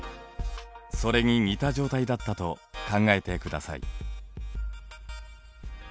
それに似た状態だったと考えてください。